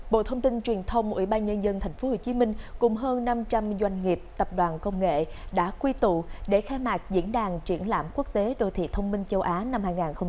bộ thông tin truyền thông ủy ban nhân dân tp hcm cùng hơn năm trăm linh doanh nghiệp tập đoàn công nghệ đã quy tụ để khai mạc diễn đàn triển lãm quốc tế đô thị thông minh châu á năm hai nghìn hai mươi bốn